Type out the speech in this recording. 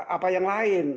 apa yang lain